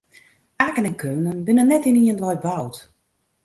Aken en Keulen binne net yn ien dei boud.